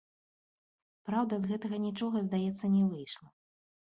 Праўда, з гэтага нічога, здаецца, не выйшла.